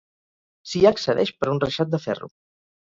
S'hi accedeix per un reixat de ferro.